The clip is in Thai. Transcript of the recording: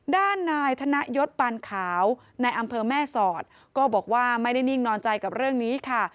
ด้านนายธนยศปานขาวในอำเภอแม่สอดก็บอกว่าไม่ได้นิ่งนอนใจกับเรื่องนี้ค่ะ